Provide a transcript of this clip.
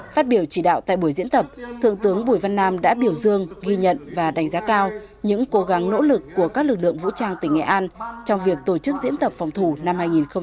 phát biểu chỉ đạo tại buổi diễn tập thượng tướng bùi văn nam đã biểu dương ghi nhận và đánh giá cao những cố gắng nỗ lực của các lực lượng vũ trang tỉnh nghệ an trong việc tổ chức diễn tập phòng thủ năm hai nghìn một mươi chín